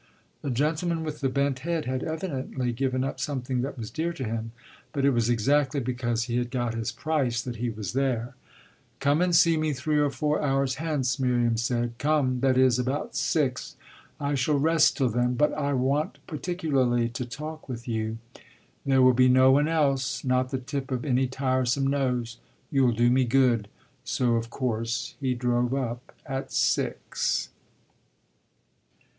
The gentleman with the bent head had evidently given up something that was dear to him, but it was exactly because he had got his price that he was there. "Come and see me three or four hours hence," Miriam said "come, that is, about six. I shall rest till then, but I want particularly to talk with you. There will be no one else not the tip of any tiresome nose. You'll do me good." So of course he drove up at six.